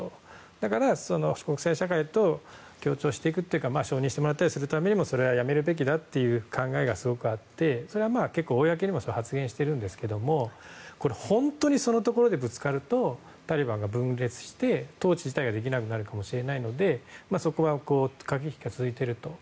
だから国際社会と協調していくというか承認してもらうためにもやめるべきだという考えがあってそれは結構公にも発言しているんですがこれ、本当にそのところでぶつかるとタリバンが分裂して統治自体ができなくなるかもしれないのでそこは駆け引きが続いていると。